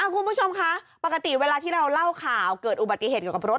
คุณผู้ชมคะปกติเวลาที่เราเล่าข่าวเกิดอุบัติเหตุเกี่ยวกับรถ